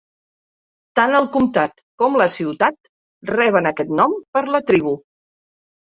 Tant el comtat com la ciutat reben aquest nom per la tribu.